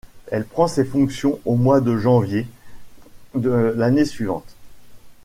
Elle prend ses fonctions au mois de janvier de l'année suivante.